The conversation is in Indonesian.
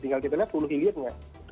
tinggal kita lihat hulu hilirnya